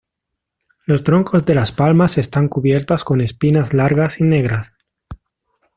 Los troncos de las palmas están cubiertas con espinas largas y negras.